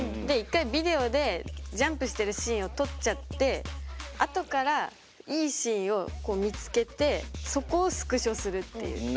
で１回ビデオでジャンプしてるシーンを撮っちゃってあとからいいシーンをこう見つけてそこをスクショするっていう。